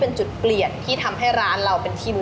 ตอนนี้ช่วงวันนี้๖๐๘๐